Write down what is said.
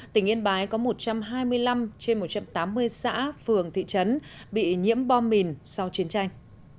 tỉnh yên bái có một trăm hai mươi năm trên một trăm tám mươi xã phường thị trấn bị nhiễm bom mìn sau chiến tranh